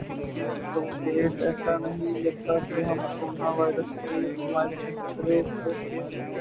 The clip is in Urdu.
کوویڈ ایسا نہیں لگتا کہ ہم کورونا وائرس کی نمائش کے خطرے ک